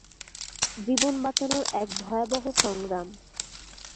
জীবন বাঁচানোর এক ভয়াবহ সংগ্রাম।